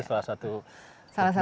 salah satu cara aja